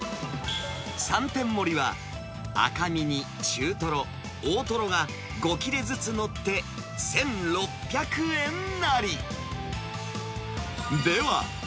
３点盛りは赤身に、中トロ、大トロが５切れずつ載って１６００円なり。